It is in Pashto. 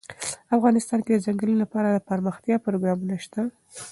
افغانستان کې د ځنګلونه لپاره دپرمختیا پروګرامونه شته.